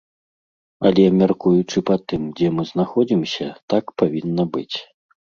Але, мяркуючы па тым, дзе мы знаходзімся, так павінна быць.